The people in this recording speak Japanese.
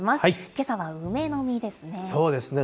けさは梅の実ですね。